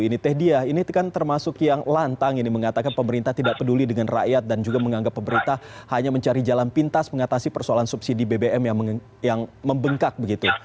ini teh diah ini kan termasuk yang lantang ini mengatakan pemerintah tidak peduli dengan rakyat dan juga menganggap pemerintah hanya mencari jalan pintas mengatasi persoalan subsidi bbm yang membengkak begitu